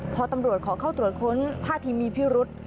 พอตำรวจขอเข้าตรวจค้นท่าทีมีพิรุษ